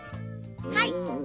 はい。